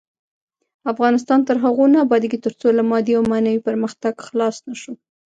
افغانستان تر هغو نه ابادیږي، ترڅو له مادي او معنوي پرمختګ خلاص نشو.